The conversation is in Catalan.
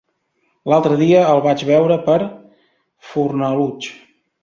L'altre dia el vaig veure per Fornalutx.